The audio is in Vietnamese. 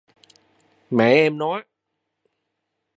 Mẹ em nói